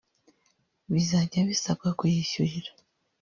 bizajya bisabwa kuyishyurira